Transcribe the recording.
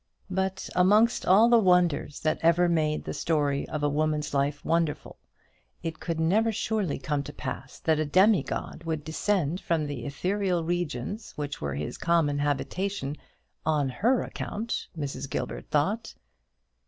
But amongst all the wonders that ever made the story of a woman's life wonderful, it could never surely come to pass that a demigod would descend from the ethereal regions which were his common habitation, on her account, Mrs. Gilbert thought.